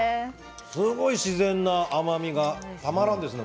すごく自然な甘みがたまらんですね。